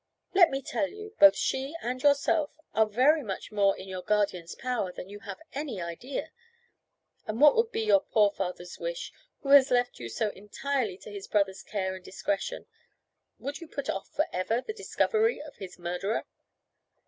Let me tell you, both she and yourself are very much more in your guardian's power than you have any idea. And what would be your poor father's wish, who has left you so entirely to his brother's care and discretion? Will you put off for ever the discovery of his murderer?"